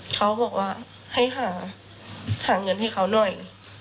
เขาบอกว่าให้หาเงินให้เขาหน่อย